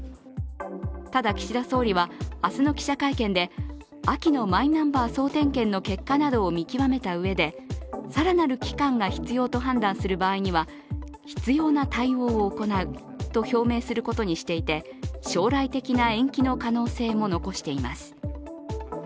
ただ、岸田総理は明日の記者会見で秋のマイナンバー総点検の結果などを見極めたうえで、更なる期間が必要と判断する場合には必要な対応を行うと表明することにしていて将来的な延期の可能性も残しています。